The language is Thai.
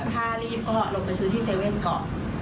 ถ้ารีบก็ลงไปซื้อที่๗๑๑ก่อน